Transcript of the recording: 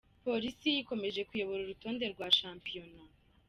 Police ikomeje kuyobora urutonde rwa Shampiyona